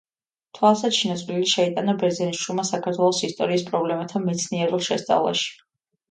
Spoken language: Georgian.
თვალსაჩინო წვლილი შეიტანა ბერძენიშვილმა საქართველოს ისტორიის პრობლემათა მეცნიერულ შესწავლაში.